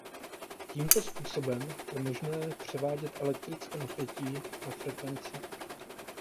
Tímto způsobem je možné převádět elektrické napětí na frekvenci.